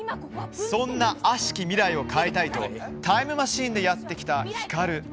そんなあしき未来を変えたいとタイムマシンでやって来たヒカル。